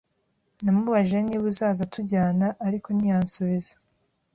Namubajije niba uzaza tujyana, ariko ntiyansubiza.